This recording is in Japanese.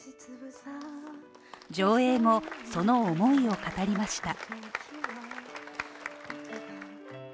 上映後、その思いを語りました。